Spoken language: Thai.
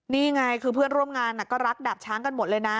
นี่ไงคือเพื่อนร่วมงานก็รักดาบช้างกันหมดเลยนะ